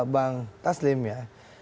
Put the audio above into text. bang taslim ya